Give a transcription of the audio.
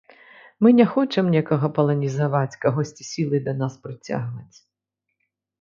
Мы не хочам некага паланізаваць, кагосьці сілай да нас прыцягваць.